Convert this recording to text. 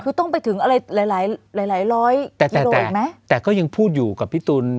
คือต้องไปถึงอะไรหลายหลายหลายหลายร้อยกิโลอีกไหมแต่แต่แต่แต่แต่ก็ยังพูดอยู่กับพี่ตุ๋น